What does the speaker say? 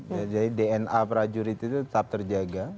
jadi dna prajurit itu tetap terjaga